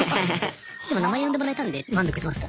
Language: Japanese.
でも名前呼んでもらえたんで満足しました。